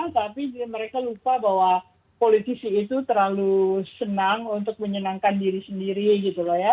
tapi mereka lupa bahwa politisi itu terlalu senang untuk menyenangkan diri sendiri gitu loh ya